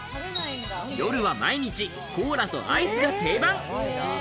夜は毎日、コーラとアイスが定番。